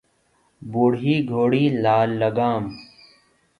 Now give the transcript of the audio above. بوڑھی گھوڑی لال لگام